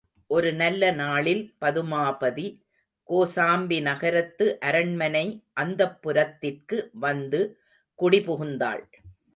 ஒரு நல்ல நாளில் பதுமாபதி, கோசாம்பி நகரத்து அரண்மனை அந்தப்புரத்திற்கு வந்து குடி புகுந்தாள்.